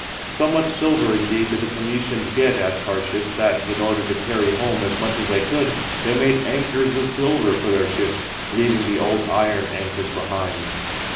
41 So much silver, indeed, did the Phoenicians get at Ta/shish, that, in order to carry home as much as they could, they made anchors of silver for their ships, leaving the old iion anchors behind.